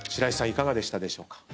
いかがでしたでしょう？